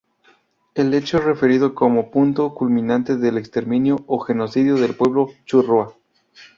El hecho es referido como punto culminante del exterminio o genocidio del pueblo charrúa.